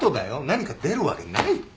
何か出るわけないって。